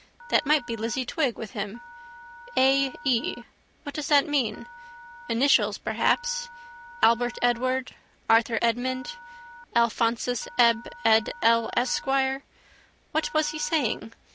That might be Lizzie Twigg with him. A. E.: what does that mean? Initials perhaps. Albert Edward, Arthur Edmund, Alphonsus Eb Ed El Esquire. What was he saying?